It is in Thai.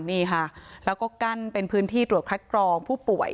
นี่ค่ะแล้วก็กั้นเป็นพื้นที่ตรวจคัดกรองผู้ป่วย